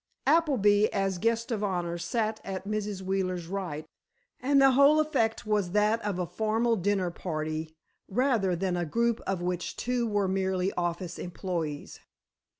Appleby, as guest of honor, sat at Mrs. Wheeler's right, and the whole effect was that of a formal dinner party, rather than a group of which two were merely office employés.